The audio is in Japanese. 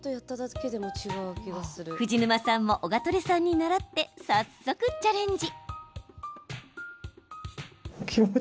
藤沼さんもオガトレさんに習って早速チャレンジ。